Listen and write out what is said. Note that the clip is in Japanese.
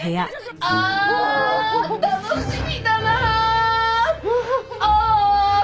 ああ楽しみだなあ！